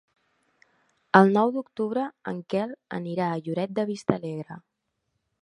El nou d'octubre en Quel anirà a Lloret de Vistalegre.